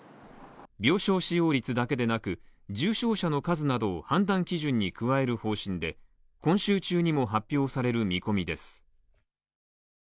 病床使用率だけでなく重症者の数などを判断基準に加える方針で今週中にも発表される見込みです。